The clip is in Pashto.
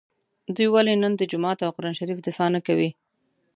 دوی ولي نن د جومات او قران شریف دفاع نکوي